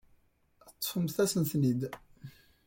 Teṭṭfemt-asen-ten-id.